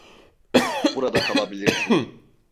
Burada kalabilirsin.